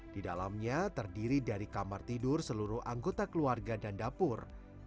di dalamnya terdiri dari kamar tidur seluruh anggota keluarga dan dapur